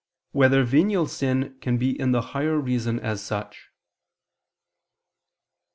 10] Whether Venial Sin Can Be in the Higher Reason As Such?